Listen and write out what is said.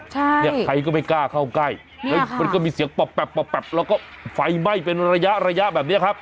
ใช่นี่ใครก็ไม่กล้าเข้าใกล้มันก็มีเสียงปับแล้วก็ไฟไหม้เป็นระยะแบบนี้ครับ